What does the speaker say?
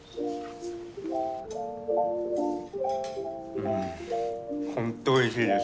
うんほんとおいしいです。